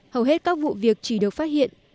hầu hết các vụ việc chỉ được phát triển